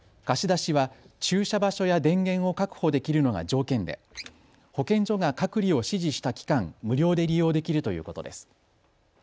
貸し出しは駐車場所や電源を確保できるのが条件で保健所が隔離を指示した期間、無料で利用できるということです。